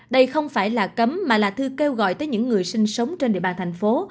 đây không phải là cấm mà là thư kêu gọi tới những người sinh sống trên địa bàn thành phố